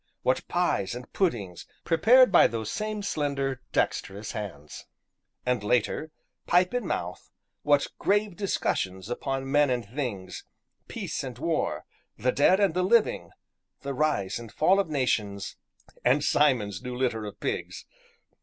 What pies and puddings, prepared by those same slender, dexterous hands! And later, pipe in mouth, what grave discussions upon men and things peace and war the dead and the living the rise and fall of nations and Simon's new litter of pigs!